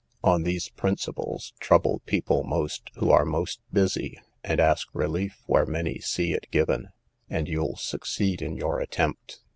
On these principles, trouble people most who are most busy, and ask relief where many see it given, and you'll succeed in your attempt.